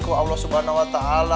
kau allah subhanahu wa ta'ala